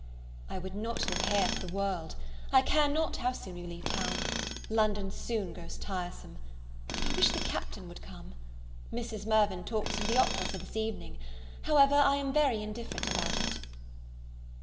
I would not live here for the world. I care not how soon we leave town. London soon grows tiresome. I wish the Captain would come. Mrs. Mirvan talks of the opera for this evening; however, I am very indifferent about it.